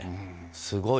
すごい。